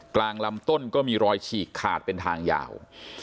กลางลำต้นก็มีรอยฉีกขาดเป็นทางยาว